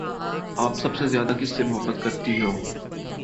آپ سب سے زیادہ کس سے محبت کرتی ہو؟